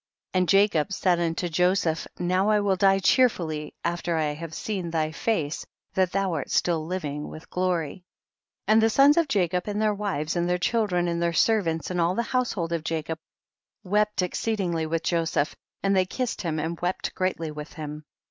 16. And Jacob said unto Joseph, now I will die cheerfully after I have seen thy face, that thou art still liv ing and with glory. 17. And the sons of Jacob and their wives and their children and their servants, and all the household of Jacob wept exceedingly with Joseph, and they kissed him and wept greatly with him.